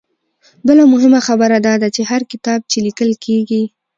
بله مهمه خبره دا ده چې هر کتاب چې ليکل کيږي